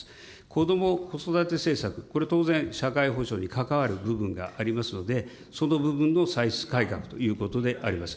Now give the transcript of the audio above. こども・子育て政策、これ、当然、社会保障に関わる部分がありますので、その部分の歳出改革ということであります。